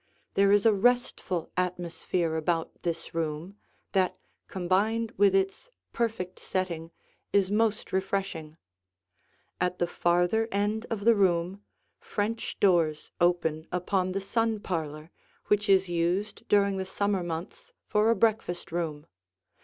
There is a restful atmosphere about this room, that, combined with its perfect setting, is most refreshing. At the farther end of the room, French doors open upon the sun parlor which is used during the summer months for a breakfast room.